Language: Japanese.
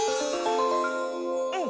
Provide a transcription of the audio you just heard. うん。